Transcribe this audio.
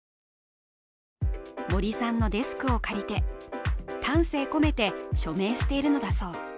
森さんのデスクを借りて丹精込めて署名しているのだそう。